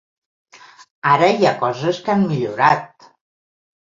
Ara hi ha coses que han millorat.